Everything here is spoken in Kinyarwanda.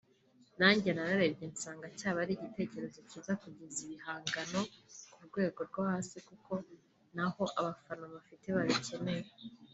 nanjye nararebye nsanga cyaba ari igitekerezo cyiza kugeza ibihangano ku rwego rwo hasi kuko naho abafana mpafite babikeneye